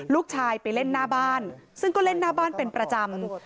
ลูกชายไปเล่นหน้าบ้านซึ่งก็เล่นหน้าบ้านเป็นประจำ